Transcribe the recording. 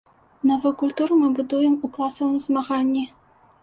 Новую культуру мы будуем у класавым змаганні.